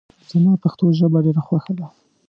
زما پښتو ژبه ډېره خوښه ده